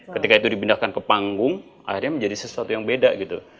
ketika itu dipindahkan ke panggung akhirnya menjadi sesuatu yang beda gitu